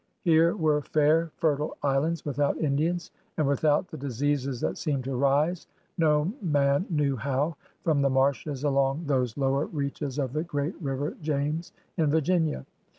Here were fair, fertile islands without Indians, and without the diseases that seemed to rise, no man knew how, from the marshes along those lower reaches of the great river James in Virginia.